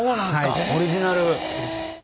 オリジナル！